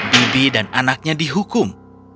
bibi dan anaknya dihukum